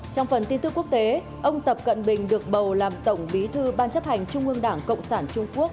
trong phần tin tức quốc tế ông tập cận bình được bầu làm tổng bí thư ban chấp hành trung ương đảng cộng sản trung quốc